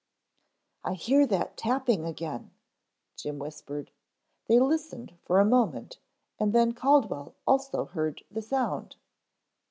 "I hear that tapping again," Jim whispered. They listened for a moment and then Caldwell also heard the sound.